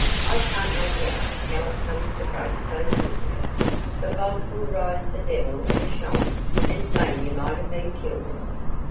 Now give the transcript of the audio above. I can't make out how it come to break so simple. The boss will rise the devil of a shine, and say you might have been killed."